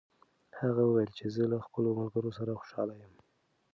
هغه وویل چې زه له خپلو ملګرو سره خوشحاله یم.